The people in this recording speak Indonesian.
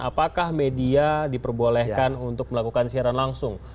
apakah media diperbolehkan untuk melakukan siaran langsung